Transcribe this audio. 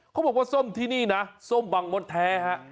เขาบอกว่าส้มที่นี่นะส้มบังมดแท้ฮะ